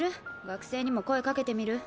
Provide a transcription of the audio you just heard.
学生にも声掛けてみる？